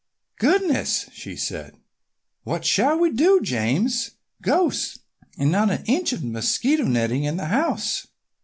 "Goodness!" she said. "What shall we do, James? Ghosts! and not an inch of mosquito netting in the house!"